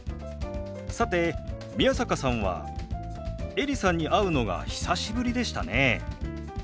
さて宮坂さんはエリさんに会うのが久しぶりでしたね。